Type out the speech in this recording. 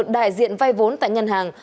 đại diện vai vốn tại ngân hàng